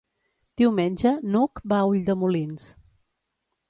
Diumenge n'Hug va a Ulldemolins.